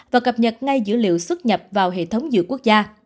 và cập nhật ngay dữ liệu xuất nhập vào hệ thống dữ quốc gia